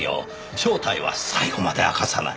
正体は最後まで明かさない。